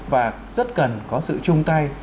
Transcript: và rất cần có sự chung tay